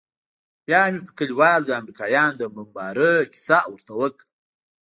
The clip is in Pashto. بيا مې پر كليوالو د امريکايانو د بمبارۍ كيسه ورته وكړه.